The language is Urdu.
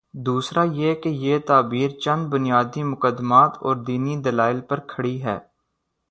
دوسرا یہ کہ یہ تعبیر چند بنیادی مقدمات اوردینی دلائل پر کھڑی ہے۔